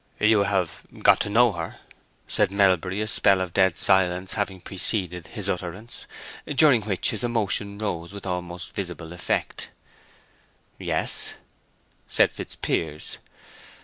"You have—got to know her?" said Melbury, a spell of dead silence having preceded his utterance, during which his emotion rose with almost visible effect. "Yes," said Fitzpiers.